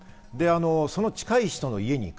その近い人の家に行く。